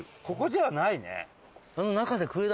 ここじゃないね。